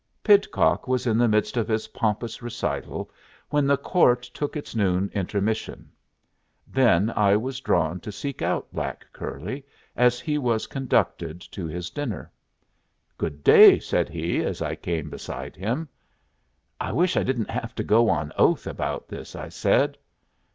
Pidcock was in the midst of his pompous recital when the court took its noon intermission. Then I was drawn to seek out black curly as he was conducted to his dinner. "Good day," said he, as I came beside him. "I wish I didn't have to go on oath about this," I said.